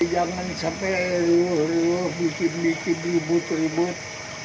jangan sampai ruh ruh bikin bikin ribut ribut